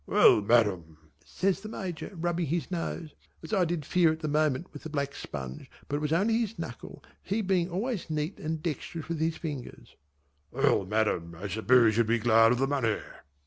"Well, Madam," says the Major rubbing his nose as I did fear at the moment with the black sponge but it was only his knuckle, he being always neat and dexterous with his fingers "well, Madam, I suppose you would be glad of the money?"